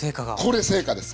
これ成果です。